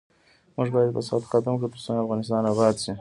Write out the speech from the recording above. موږ باید فساد ختم کړو ، ترڅو افغانستان اباد شي.